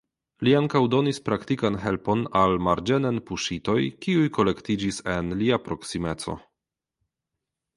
Li ankaŭ donis praktikan helpon al marĝenen puŝitoj kiuj kolektiĝis en lia proksimeco.